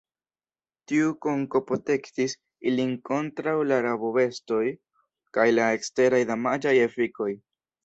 Tiu konko protektis ilin kontraŭ la rabobestoj kaj la eksteraj damaĝaj efikoj.